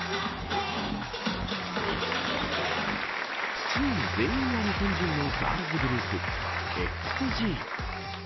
７人全員が日本人のガールズグループＸＧ。